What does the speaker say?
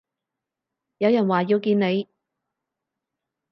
有人話要見你